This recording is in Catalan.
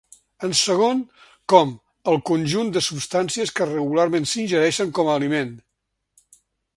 En segon, com el «conjunt de substàncies que regularment s’ingereixen com a aliment».